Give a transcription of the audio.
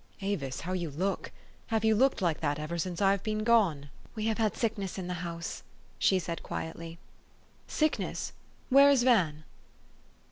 "Avis, how you look! Have you looked like that ever since I have been gone? " 384 THE STORY OF AVIS. " We have had sickness in the house," she said quietly. 4 ' Sickness ? Where is Van